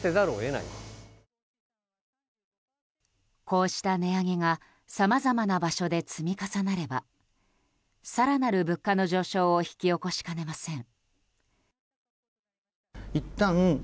こうした値上げがさまざまな場所で積み重なれば更なる物価の上昇を引き起こしかねません。